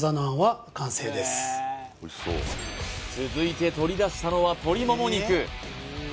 続いて取り出したのは鶏もも肉